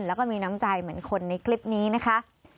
แล้วก็มีน้ำใจเหมือนคนในคลิปนี้นะคะ